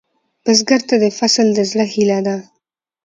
بزګر ته فصل د زړۀ هيله ده